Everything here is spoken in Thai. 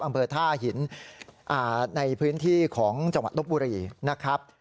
ความเบอร์ท่าหินอ่าในพื้นที่ของจังหวัดต้มปุรินะครับ